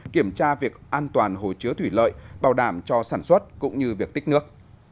kiểm tra việc an toàn hồ chứa thủy lợi bảo đảm cho sản xuất cũng như việc tích nước